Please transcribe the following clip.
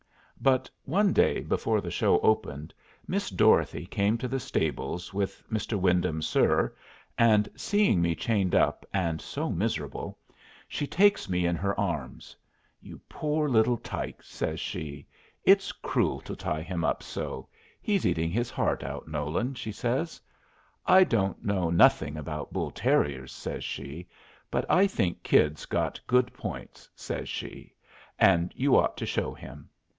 But one day, before the Show opened, Miss Dorothy came to the stables with "Mr. Wyndham, sir," and seeing me chained up and so miserable, she takes me in her arms. "You poor little tyke!" says she. "It's cruel to tie him up so; he's eating his heart out, Nolan," she says. "I don't know nothing about bull terriers," says she, "but I think Kid's got good points," says she, "and you ought to show him.